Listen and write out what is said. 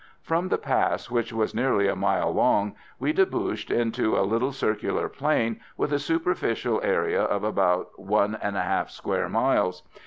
From the pass, which was nearly a mile long, we debouched into a little circular plain, with a superficial area of about 1 1/2 square miles.